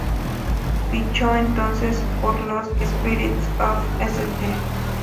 Fichó entonces por los Spirits of St.